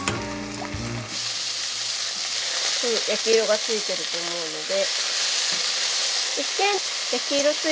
焼き色がついてると思うので。